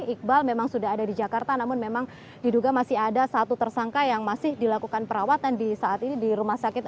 iqbal memang sudah ada di jakarta namun memang diduga masih ada satu tersangka yang masih dilakukan perawatan di saat ini di rumah sakit